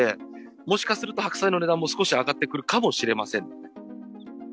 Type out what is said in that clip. もしかすると白菜の値段も少し上がってくるかもしれません。